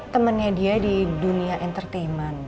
temennya dia di dunia entertainment